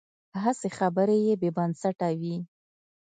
هسې خبرې بې بنسټه وي.